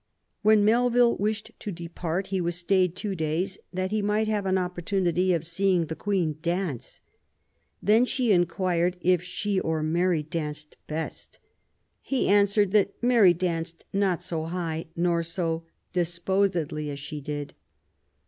When Melville wished to depart he was stayed two days that he might have an opportunity of seeing the Queen dance. Then she inquired if she or Mary danced best. He answered that Mary danced not so high nor so disposedly as she did *'.